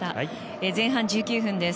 前半１９分です。